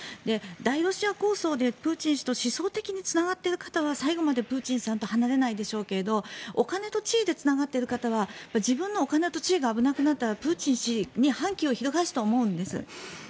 大ロシア構想でプーチンと思想的につながっている方は最後までプーチンさんと離れないでしょうけれどお金と地位でつながっている方は自分のお金と地位が危なくなったらプーチン氏に反旗を翻すと思うんです。